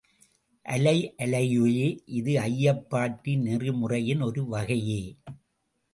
அலை அலையே இது ஐயப்பாட்டு நெறிமுறையின் ஒரு வகையே.